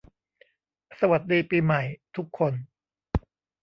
สวัสดีปีใหม่ทุกคน